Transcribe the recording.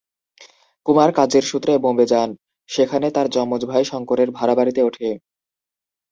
কুমার কাজের সূত্রে বোম্বে যান, সেখানে তার যমজ ভাই শঙ্করের ভাড়া বাড়িতে ওঠে।